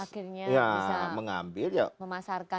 akhirnya bisa memasarkan begitu ya